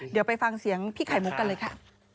เดี๋ยวไปฟังเสียงพี่ไข่มุกกันเลยค่ะ